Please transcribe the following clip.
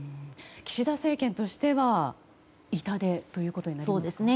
岸田政権としては痛手ということになりますね。